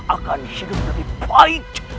akan hidup lebih baik